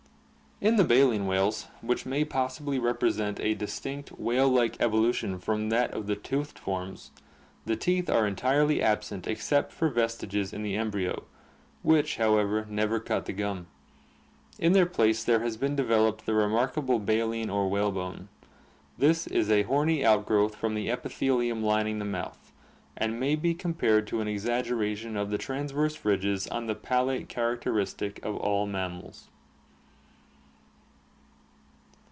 In the baleen whales, which may possibly represent a distinct whale like evolution from that of the toothed forms, the teeth are entirely absent except for vestiges in the embryo, which, however, never cut the gum. In their place there has been developed the remarkable baleen or whalebone. This is a horny outgrowth from the epithelium lining the mouth and may be compared to an exag geration of the transverse ridges on the palate characteristic of all mammals.